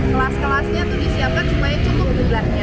kelas kelasnya itu disiapkan supaya cukup jumlahnya